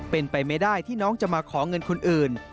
เป็นไปไม่ได้ที่น้องจะมาขอเงินคนอื่น